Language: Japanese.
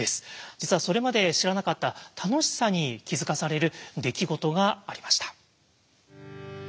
実はそれまで知らなかった楽しさに気付かされる出来事がありました。